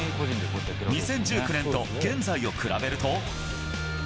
２０１９年と現在を比べると。